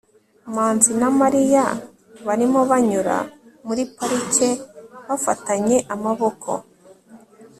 manzi na mariya barimo banyura muri parike, bafatanye amaboko